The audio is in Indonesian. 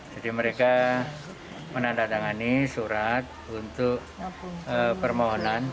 jadi mereka menandatangani surat untuk permohonan